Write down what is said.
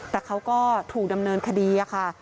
แต่เขาก็ถูกดำเนินคดีค่ะ